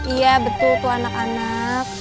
iya betul tuh anak anak